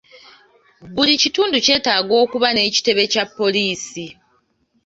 Buli kitundu kyetaaga okuba n'ekitebe Kya poliisi.